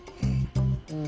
うん。